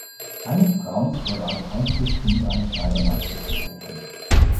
Heinrich Brauns wurde als einziges Kind eines Schneidermeisters geboren.